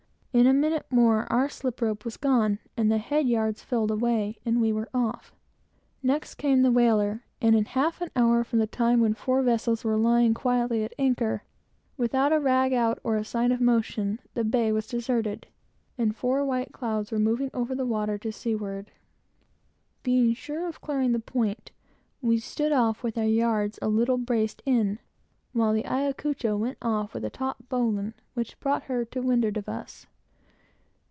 In a moment, our slip rope was gone, the head yards filled away, and we were off. Next came the whaler; and in a half an hour from the time when four vessels were lying quietly at anchor, without a rag out, or a sign of motion, the bay was deserted, and four white clouds were standing off to sea. Being sure of clearing the point, we stood off with our yards a little braced in, while the Ayacucho went off with a taut bowline, which brought her to windward of us.